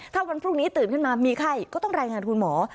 ถ้าวันพรุ่งนี้ตื่นขึ้นมามีไข้ก็ต้องรายงานคุณหมอ